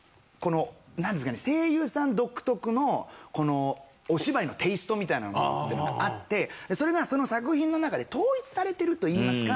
声優さん独特のこのお芝居のテイストみたいなものっていうのがあってそれがその作品の中で統一されてるといいますか。